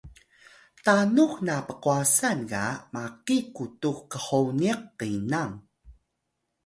tanux na pqwasan ga maki qutux qhoniq qenam